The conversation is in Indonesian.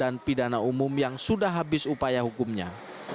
dan ada lima belas terpidana umum yang sudah habis upaya hukumnya